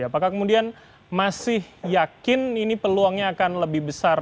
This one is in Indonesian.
apakah kemudian masih yakin ini peluangnya akan lebih besar